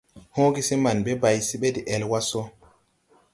Hõõgesee man ɓe bay se ɓe de ɛl wa so.